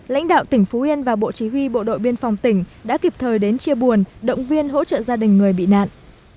lãnh đạo tỉnh phú yên và bộ chí huy bộ đội biên phòng tỉnh đã kịp thời đến chia buồn động viên hỗ trợ gia đình người bị nạn